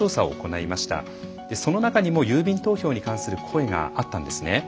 その中にも郵便投票に関する声があったんですね。